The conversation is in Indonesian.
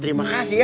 terima kasih ya